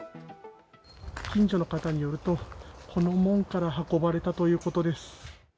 近所の方によるとこの門から運ばれたということです。